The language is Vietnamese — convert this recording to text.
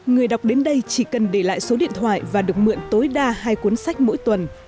người đọc đến đây chỉ cần để lại số điện thoại và được mượn tối đa hai cuốn sách mỗi tuần